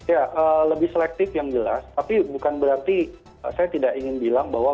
ya lebih selektif yang jelas tapi bukan berarti saya tidak ingin bilang bahwa